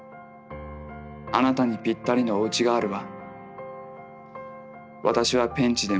『あなたにぴったりのお家があるわ』」。